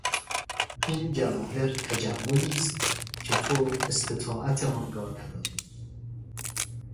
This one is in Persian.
این جواهر تجملی است که تو استطاعت آن را نداری